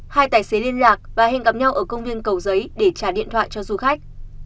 hai tài xế liên lạc và hẹn gặp nhau ở công viên cầu giấy để trả điện thoại cho du khách